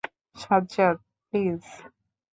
Sajjad, please.